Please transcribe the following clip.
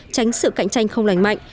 tránh sự cạnh tranh không lành mạnh